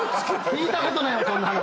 聞いたことないわそんな話。